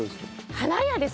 花屋です。